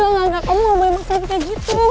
enggak enggak kamu mau main masjid kayak gitu